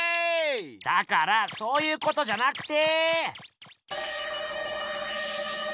だからそういうことじゃなくて。